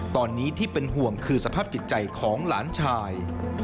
ตอนนี้ที่เป็นห่วงคือสภาพจิตใจของหลานชาย